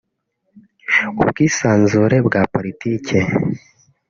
ubwisanzure bwa politiki